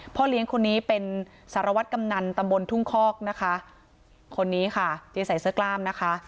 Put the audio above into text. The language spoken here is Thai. พ่อเลี้ยงคนนี้เป็นสารวัตรกำนันตำบลทุ่งคอกนะคะคนนี้ค่ะที่ใส่เสื้อกล้ามนะคะ